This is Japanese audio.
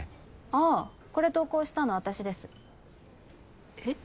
ああこれ投稿したの私ですえっ？